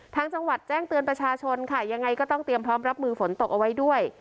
ทางจังหวัดแจ้งเตือนประชาชนค่ะยังไงก็ต้องเตรียมพร้อมรับมือฝนตกเอาไว้ด้วย